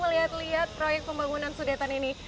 selamat melihat proyek pembangunan sudetan ini